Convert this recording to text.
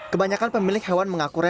kebanyakan pemilik hewan mengaku rela